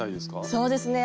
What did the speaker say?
そうですね